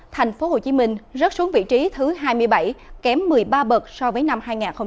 thành phố hồ chí minh rớt xuống vị trí thứ hai mươi bảy kém một mươi ba bậc so với năm hai nghìn hai mươi một